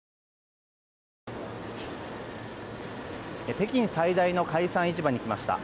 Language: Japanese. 北京最大の海鮮市場に来ました。